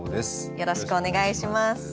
よろしくお願いします。